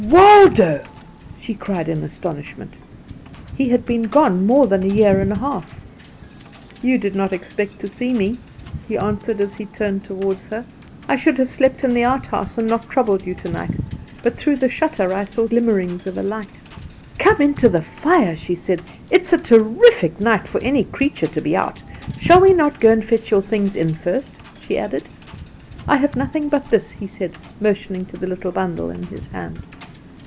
"Waldo!" she cried in astonishment. He had been gone more than a year and a half. "You did not expect to see me," he answered, as he turned toward her; "I should have slept in the outhouse, and not troubled you tonight; but through the shutter I saw glimmerings of a light." "Come in to the fire," she said; "it is a terrific night for any creature to be out. Shall we not go and fetch your things in first?" she added. "I have nothing but this," he said, motioning to the little bundle in his hand.